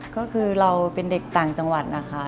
ก็คือเราเป็นเด็กต่างจังหวัดนะคะ